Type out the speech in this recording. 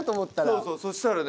そうそうそしたらね。